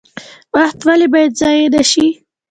وخت ولې باید ضایع نشي؟